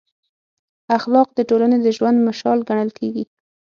اخلاق د ټولنې د ژوند مشال ګڼل کېږي.